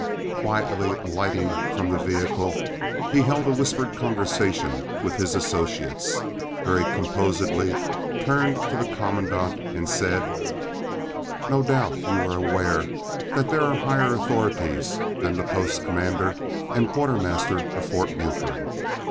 Quietly alighting from the vehicle, he held a whispered conversation with his associates, very composedly turned to the commandant, and said: "No doubt you are aware that there are higher authorities than the post commander and quartermaster of Fort Buford.